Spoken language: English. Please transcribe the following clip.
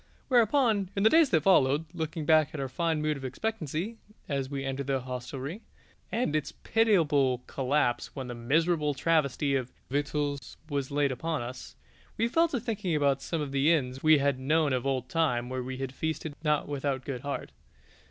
Whereupon, in the days that followed, looking back at our fine mood of expectancy as we entered that hostelry, and its pitiable collapse when the miserable travesty of victuals was laid before us, we fell to thinking about some of the inns we had known of old time where we had feasted not without good heart.